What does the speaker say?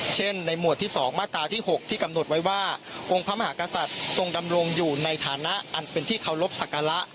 เช่นในหมวดที่๒มาตราที่๖ที่กำหนดไว้ว่าองค์พระมหากษัตริย์ทรงดำรงอยู่ในฐานะอันเป็นที่เคารพสักการะ